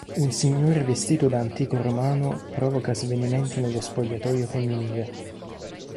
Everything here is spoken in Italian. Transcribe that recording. Un signore vestito da antico romano provoca svenimenti nello spogliatoio femminile.